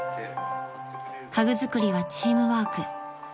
［家具作りはチームワーク］